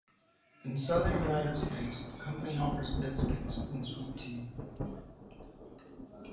In the Southern United States, the company offers biscuits and sweet tea.